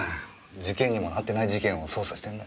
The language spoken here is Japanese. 事件にもなってない事件を捜査してんだ。